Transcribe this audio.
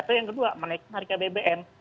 kata yang kedua menaikkan harga abbn